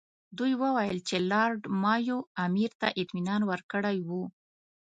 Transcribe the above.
دوی وویل چې لارډ مایو امیر ته اطمینان ورکړی وو.